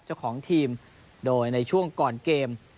เจ้าของทีมโดยในช่วงก่อนเกม